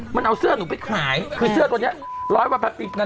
มันเอาเสื้อนูมไปขายคือเสื้อตัวเนี้ยร้อยว่าภายพรรษ